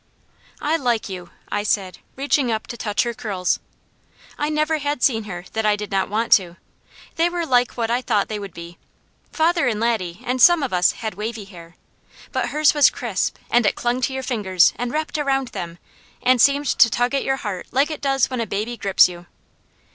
"I like you," I said, reaching up to touch her curls. I never had seen her that I did not want to. They were like I thought they would be. Father and Laddie and some of us had wavy hair, but hers was crisp and it clung to your fingers, and wrapped around them and seemed to tug at your heart like it does when a baby grips you.